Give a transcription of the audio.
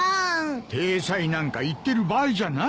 体裁なんか言ってる場合じゃない。